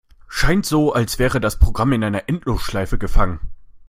Scheint so, als wäre das Programm in einer Endlosschleife gefangen.